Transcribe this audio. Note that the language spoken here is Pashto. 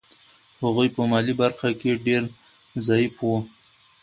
هغوی په مالي برخه کې ډېر ضعیف وو.